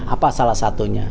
apa salah satunya